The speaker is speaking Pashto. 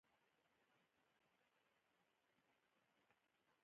آیا د پښتنو په کلتور کې د کیسو ویل هنر نه دی؟